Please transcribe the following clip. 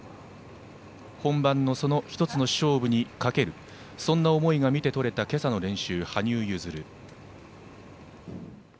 本番の１つの勝負にかけるそんな思いが見て取れた今朝の練習、羽生結弦。